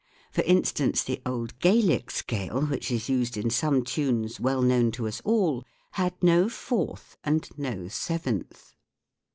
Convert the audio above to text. For instance, the old Gaelic scale, which is used in some tunes well known to us all, had no fourth and no seventh.